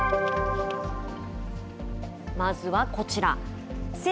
まずはこちら。